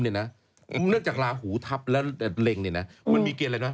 ว้าวเรื่องเฉาระ